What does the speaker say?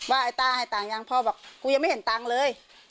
ไอ้ต้าให้ตังค์ยังพ่อบอกกูยังไม่เห็นตังค์เลย